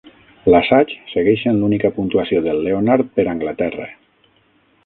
L'assaig segueix sent l'única puntuació del Leonard per Anglaterra.